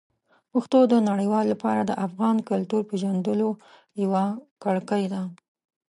پښتو د نړیوالو لپاره د افغان کلتور پېژندلو یوه کړکۍ ده.